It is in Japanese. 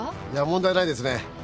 いや問題ないですね。